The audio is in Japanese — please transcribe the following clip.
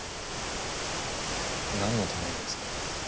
なんのためにですか？